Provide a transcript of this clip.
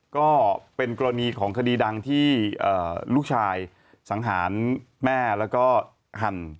ก็เป็นกรณีของคดีดังที่ลูกชายสังหารแม่แล้วก็หั่น